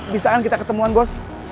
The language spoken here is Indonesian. bisa kan kita ketemuan bos